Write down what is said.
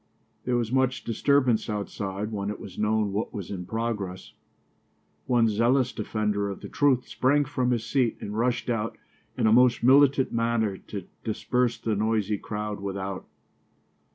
There was much disturbance outside when it was known what was in progress. One zealous defender of the truth sprang from his seat and rushed out in a most militant manner to disperse the noisy crowd without.